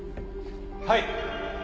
はい。